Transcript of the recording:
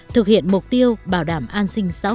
thực hiện mục tiêu bảo đảm an sinh xã hội bền vững